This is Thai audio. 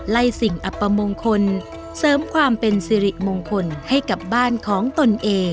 สิ่งอัปมงคลเสริมความเป็นสิริมงคลให้กับบ้านของตนเอง